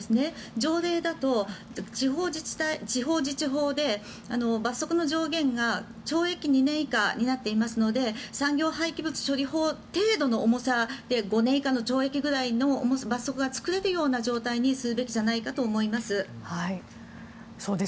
条例だと地方自治法で罰則の上限が懲役２年以下になっていますので産業廃棄物処理法程度の重さで５年以下の懲役の重さぐらいが作れるような状態にするべきじゃないかと思います。